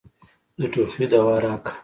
د ټوخي دوا راکه.